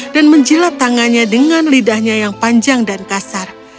dan menjilat tangannya dengan lidahnya yang panjang dan kasar